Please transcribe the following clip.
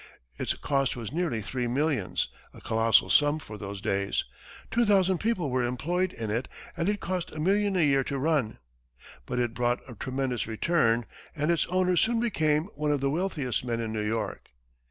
Its cost was nearly three millions, a colossal sum for those days; two thousand people were employed in it and it cost a million a year to run. But it brought a tremendous return, and its owner soon became one of the wealthiest men in New York.